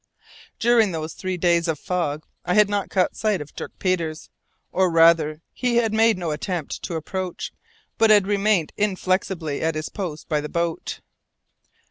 During those three days of fog I had not caught sight of Dirk Peters, or rather he had made no attempt to approach, but had remained inflexibly at his post by the boat.